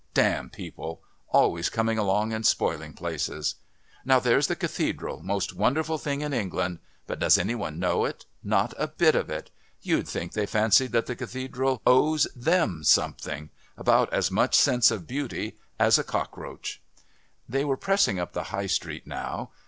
Damn people always coming along and spoiling places. Now there's the Cathedral, most wonderful thing in England, but does any one know it? Not a bit of it. You'd think they fancied that the Cathedral owes them something about as much sense of beauty as a cockroach." They were pressing up the High Street now.